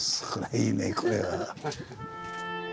いいねこれは。